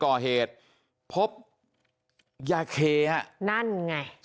เพราะเหตุพบยาเคนั่นไง